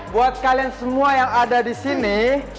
buat kalian semua yang ada di sini